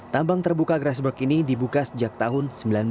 tambang terbuka grassberg ini dibuka sejak tahun seribu sembilan ratus sembilan puluh